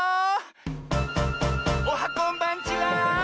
おはこんばんちは！